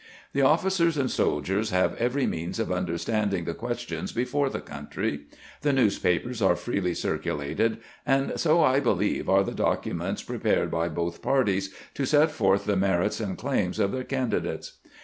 The officers and soldiers have every means of understanding the questions before the country. The newspapers are freely circulated, and so, I believe, are the documents prepared by both parties to set forth the merits and claims of their candi dates.